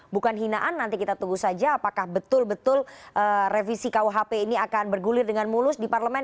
bukan hinaan nanti kita tunggu saja apakah betul betul revisi kuhp ini akan bergulir dengan mulus di parlemen